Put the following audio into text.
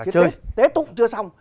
chứ tế tụng chưa xong